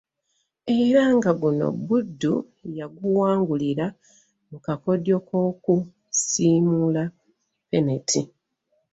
Era nga guno Buddu yaguwangulira mu kakodyo k'okusimula ppeneti.